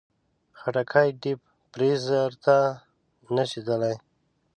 خټکی ډیپ فریزر ته نه شي تللی.